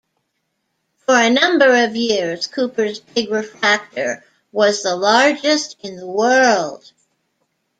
For a number of years Cooper's big refractor was the largest in the world.